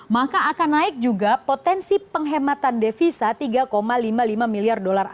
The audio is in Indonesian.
maka akan naik juga potensi penghematan devisi tiga lima puluh lima milyar dolar amerika